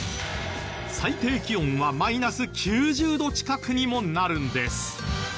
最低気温はマイナス９０度近くにもなるんです。